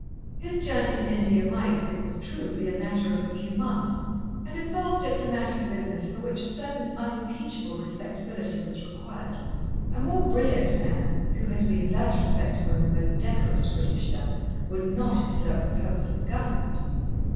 His journey to India might, it was true, be a matter of a few months, and involved diplomatic business for which a certain unimpeachable respectability was required. A more brilliant man, who had been less respectable in the most decorous British sense, would not have served the purpose of the government.